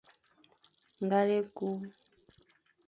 Ngal e ku.